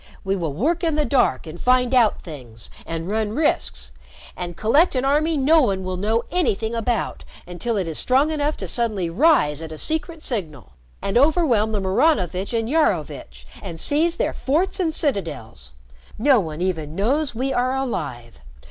We will work in the dark and find out things and run risks and collect an army no one will know anything about until it is strong enough to suddenly rise at a secret signal, and overwhelm the Maranovitch and Iarovitch, and seize their forts and citadels. No one even knows we are alive.